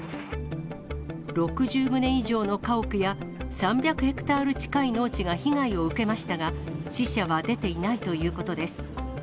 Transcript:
６０棟以上の家屋や、３００ヘクタール近い農地が被害を受けましたが、死者は出ていないということです。